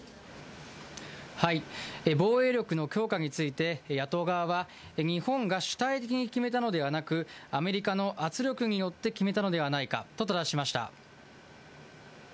防衛力の強化について、野党側は、日本が主体的に決めたのではなく、アメリカの圧力によって決めたのではないかとただしました。